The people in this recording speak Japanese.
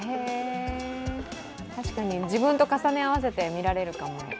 確かに自分と重ね合わせて見られるかも。